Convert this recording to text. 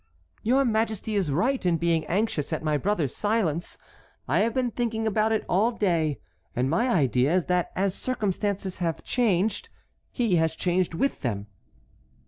"Your majesty is right in being anxious at my brother's silence. I have been thinking about it all day, and my idea is that as circumstances have changed he has changed with them."